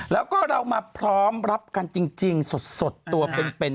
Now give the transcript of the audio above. แล้วก็เรามาพร้อมรับกันจริงสดตัวเป็น